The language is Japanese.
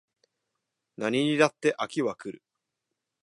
何にだって飽きは来る